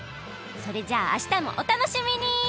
それじゃああしたもお楽しみに！